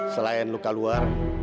selain luka luar